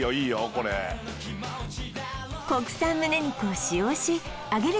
これ国産むね肉を使用し揚げる